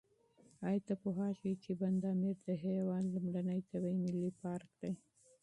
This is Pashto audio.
ایا ته پوهېږې چې بند امیر د هېواد لومړنی طبیعي ملي پارک دی؟